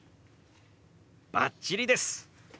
バッチリです！